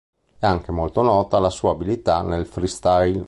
È anche molto nota la sua abilità nel freestyle.